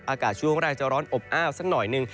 อากาศช่วงแรกจะร้อนอบอ้าวสักหน่อยหนึ่ง